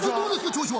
調子。